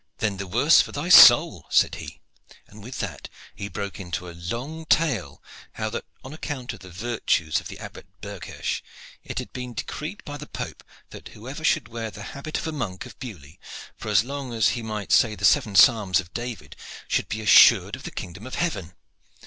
'Then the worse for thy soul!' said he; and with that he broke into a long tale how that on account of the virtues of the Abbot Berghersh it had been decreed by the Pope that whoever should wear the habit of a monk of Beaulieu for as long as he might say the seven psalms of David should be assured of the kingdom of Heaven.